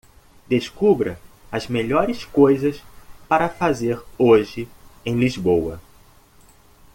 Descubra as melhores coisas para fazer hoje em Lisboa.